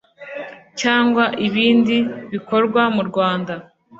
cyangwa ibindi bikorwa mu Rwanda